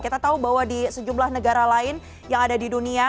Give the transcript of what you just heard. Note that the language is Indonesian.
kita tahu bahwa di sejumlah negara lain yang ada di dunia